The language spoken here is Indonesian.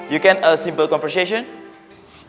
bisa berbicara sederhana